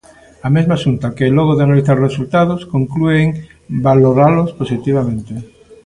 A mesma Xunta que, logo de analizar os resultados, conclúe en "valoralos positivamente".